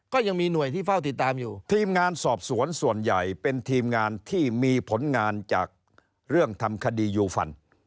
ก็ยังมีหน่วยที่เฝ้าติดตามอยู่ทีมงานสอบสวนส่วนใหญ่เป็นทีมงานที่มีผลงานจากเรื่องทำคดียูฟัน